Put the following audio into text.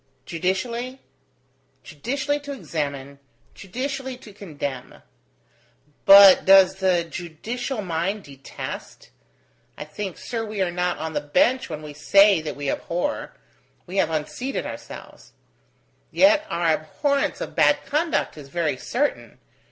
Judicially? Judicially to examine, judicially to condemn: but does the judicial mind detest? I think, sir, we are not on the bench when we say that we abhor: we have unseated ourselves. Yet our abhorrence of bad conduct is very certain.